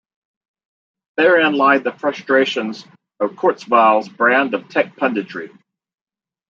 Therein lie the frustrations of Kurzweil's brand of tech punditry.